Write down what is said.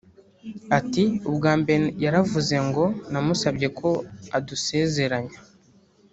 ati “Ubwa mbere yaravuze ngo namusabye ko adusezeranya